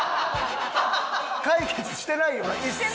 解決してないよな一切。